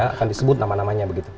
akan disebut nama namanya begitu